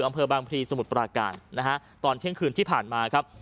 อำเภอบางพลีสมุทรปราการนะฮะตอนเที่ยงคืนที่ผ่านมาครับ